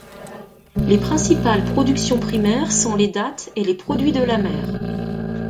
Les principales productions primaires sont les dattes, et les produits de la mer.